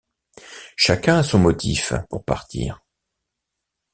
Chacun a son motif pour partir.